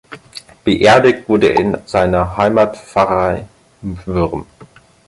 Beerdigt wurde er in seiner Heimatpfarrei Würm.